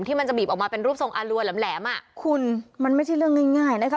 มันจะบีบออกมาเป็นรูปทรงอารัวแหลมอ่ะคุณมันไม่ใช่เรื่องง่ายนะคะ